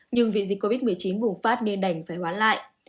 nhưng vì dịch covid một mươi chín bùng phát nên đành phải hoãn lại